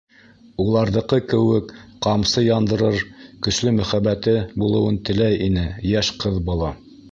Уларҙыҡы кеүек ҡамсы яндырыр көслө мөхәббәте булыуын теләй ине йәш ҡыҙ бала.